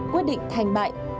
quyết định thành bại tình hình